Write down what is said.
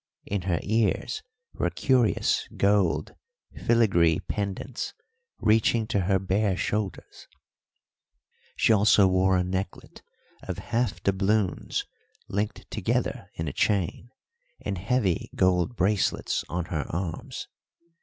In her ears were curious gold filigree pendants reaching to her bare shoulders; she also wore a necklet of half doubloons linked together in a chain, and heavy gold bracelets on her arms.